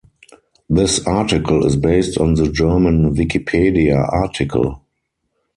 "This article is based on the German Wikipedia article"